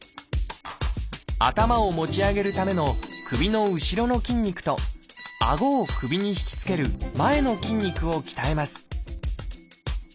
頭を持ち上げるための首の後ろの筋肉とあごを首にひきつける前の筋肉を鍛えます